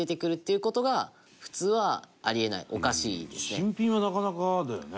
伊達：新品は、なかなかだよね。